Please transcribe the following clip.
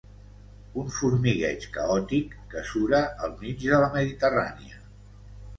Un formigueig caòtic que sura al mig de la Mediterrània.